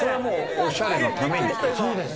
おしゃれのために？